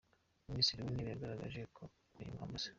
Minisitiri w’Intebe yagaragaje ko imirimo Amb.